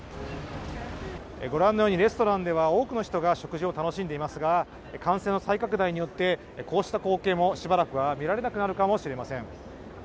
ご覧のようにレストランでは多くの方が食事を楽しんでいますが、感染の再拡大によってこうした光景もしばらくは見られなくなるかもしれません。